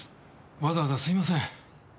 わざわざすいません。